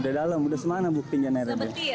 udah dalam udah semana bu tinggal airnya